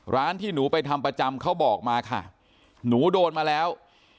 ร้านที่หนูไปทำประจำเขาบอกมาค่ะหนูโดนมาแล้ว